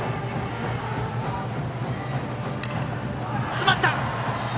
詰まった。